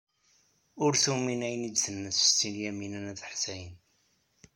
Ur tumin ayen ay d-tenna Setti Lyamina n At Ḥsayen.